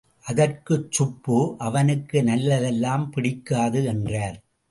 அதற்கு சுப்பு, அவனுக்கு நல்லதெல்லாம் பிடிக்காது என்றார்.